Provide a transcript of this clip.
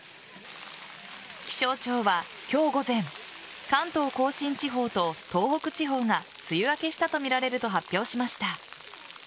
気象庁は今日午前関東甲信地方と東北地方が梅雨明けしたとみられると発表しました。